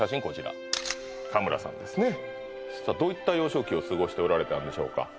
こちら加村さんですねどういった幼少期を過ごしておられたんでしょうか？